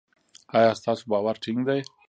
ایا ستاسو باور ټینګ دی؟